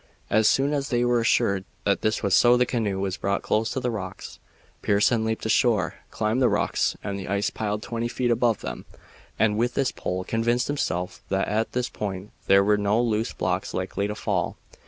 As soon as they were assured that this was so the canoe was brought close to the rocks. Pearson leaped ashore, climbed the rocks and the ice piled twenty feet above them, and with his pole convinced himself that at this point there were no loose blocks likely to fall.